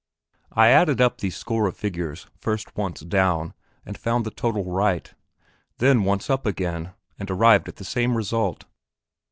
I added up these score of figures first once down, and found the total right; then once up again, and arrived at the same result.